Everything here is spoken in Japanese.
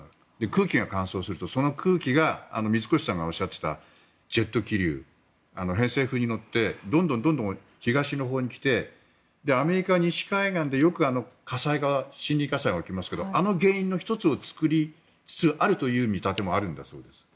空気が乾燥すると、その空気が水越さんがおっしゃっていたジェット気流偏西風に乗ってどんどん東のほうにきてアメリカ西海岸でよく森林火災が起きますけどあの原因の１つを作りつつあるという見立てもあるんだそうです。